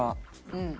うん。